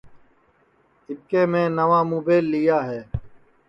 اِٻکے میں نئوا مُبیل لیا ہے